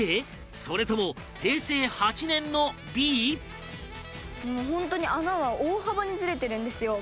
それとも、平成８年のＢ？芦田：本当に穴は大幅にずれてるんですよ。